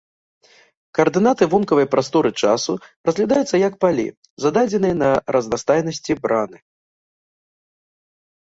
Каардынаты вонкавай прасторы-часу разглядаюцца як палі, зададзеныя на разнастайнасці браны.